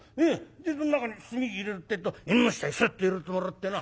でそん中に炭入れるってえと縁の下にスッと入れてもらってな。